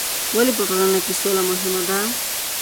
ولې په ټولنه کې سوله مهمه ده؟